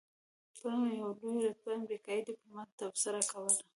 پرون یو لوړ رتبه امریکایي دیپلومات تبصره کوله.